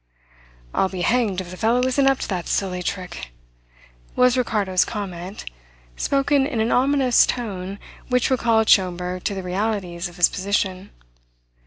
"I'll be hanged if the fellow isn't up to that silly trick!" was Ricardo's comment, spoken in an ominous tone which recalled Schomberg to the realities of his position.